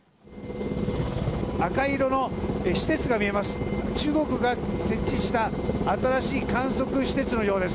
赤色の施設が見えます。